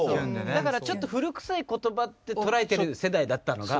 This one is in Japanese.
だからちょっと古くさい言葉って捉えてる世代だったのが。